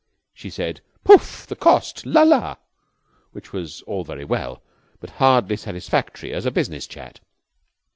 She said, "Poof! The cost? La, la!" Which was all very well, but hardly satisfactory as a business chat.